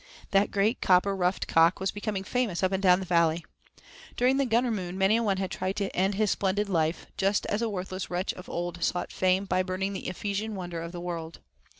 That great copper ruffed cock was becoming famous up and down the valley. During the Gunner Moon many a one had tried to end his splendid life, just as a worthless wretch of old sought fame by burning the Ephesian wonder of the world.